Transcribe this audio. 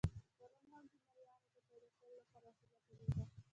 قانون هم د مریانو د پیدا کولو لپاره وسیله وګرځېده.